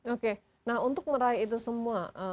oke nah untuk meraih itu semua